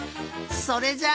それじゃあ。